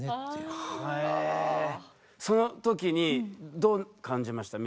そのときにどう感じました？